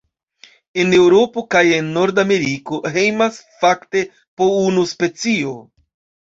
En Eŭropo kaj en Nordameriko hejmas fakte po unu specio.